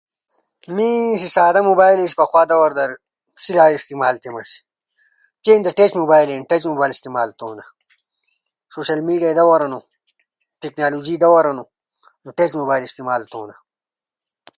سادہ موبائل اسئ خو ۔1112۔ 1111۔ 1110 ۔128 سادہ اسئ با ایک وخہ در کیمرہ والا موبائل لی الی نو سینو در میمری کارڈ چورینا سی بہ گانئ غگارینا سی نو سیس کئ بعد پوٹوئ نیکالو ناسی نو سیس کئی بعد سمسینگ ٹچ موبائل الئی با لیس کئ بعد ہوری ھم لالی الی